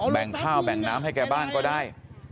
่งข้าวแบ่งน้ำให้แกบ้างก็ได้